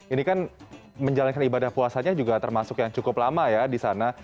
ini kan menjalankan ibadah puasanya juga termasuk yang cukup lama ya di sana